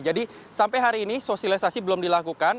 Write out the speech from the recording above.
jadi sampai hari ini sosialisasi belum dilakukan